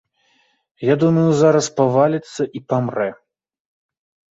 Я думаю, зараз паваліцца і памрэ.